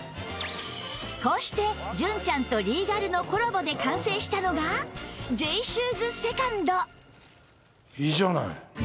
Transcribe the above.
こうして純ちゃんとリーガルのコラボで完成したのが Ｊ シューズ ２ｎｄはい。